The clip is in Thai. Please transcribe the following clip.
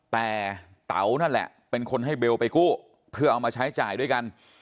แต่เต๋านั่นแหละเป็นคนให้เบลไปกู้เพื่อเอามาใช้จ่ายด้วยกัน